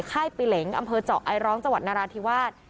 ค่ายปีเหล็งอำเภอเจาะไอร้องจังหวัดนราธิวาส